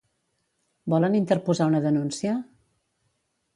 Volen interposar una denúncia?